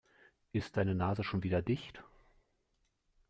Ist deine Nase schon wieder dicht?